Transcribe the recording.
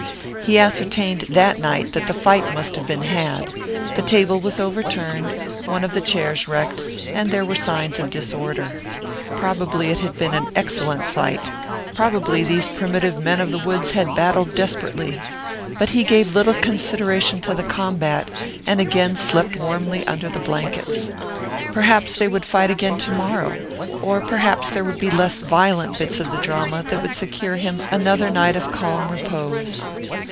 He ascertained that night that the fight must have been had. The table was overturned, one of the chairs wrecked, and there were other signs of disorder. Probably it had been an excellent fight; probably these primitive men of the woods had battled desperately. But he gave little consideration to the combat, and again slept warmly under the blankets. Perhaps they would fight again to morrow, or perhaps there would be less violent bits of the drama that would secure him another night of calm repose.